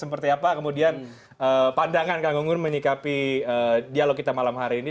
seperti apa kemudian pandangan kang gunggun menyikapi dialog kita malam hari ini